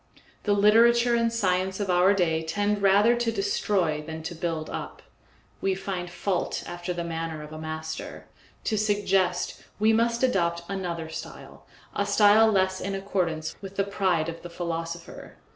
The literature and science of our day tend rather to destroy than to build up. We find fault after the manner of a master; to suggest, we must adopt another style, a style less in accordance with the pride of the philosopher.